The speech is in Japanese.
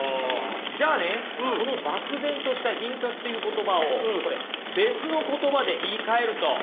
じゃあねこの漠然とした品格という言葉をこれ別の言葉で言いかえるとこれどうなります？